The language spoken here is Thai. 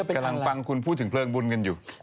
กำลังฟังคุณพูดถึงเพลิงบุญกันอยู่